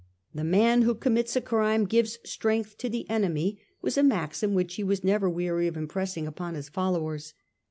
' The man who commits a crime gives strength to the enemy,' was a maxim which he was never weary of impressing upon his followers.